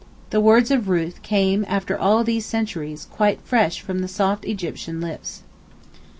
The words of Ruth came after all these centuries quite fresh from the soft Egyptian lips.